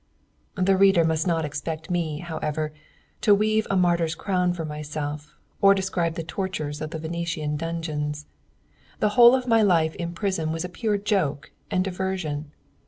The reader must not expect me, however, to weave a martyr's crown for myself, or describe the tortures of the Venetian dungeons.... The whole of my life in prison was a pure joke and diversion.